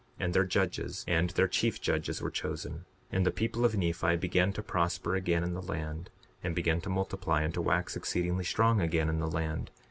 And their judges, and their chief judges were chosen. 62:48 And the people of Nephi began to prosper again in the land, and began to multiply and to wax exceedingly strong again in the land.